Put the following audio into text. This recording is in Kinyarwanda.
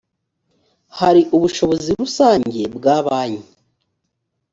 hari ubushobozi rusange bwa banki.